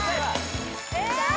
さあ